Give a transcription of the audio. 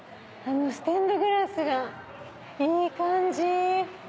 ステンドグラスがいい感じ。